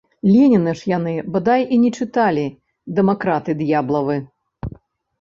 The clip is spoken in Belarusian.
Леніна ж яны, бадай, і не чыталі, дэмакраты д'яблавы!